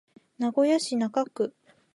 名古屋市中区